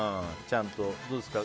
どうですか？